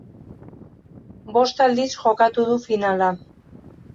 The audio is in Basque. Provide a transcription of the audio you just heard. Bost aldiz jokatu du finala.